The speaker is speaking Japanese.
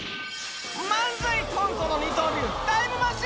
漫才コントの二刀流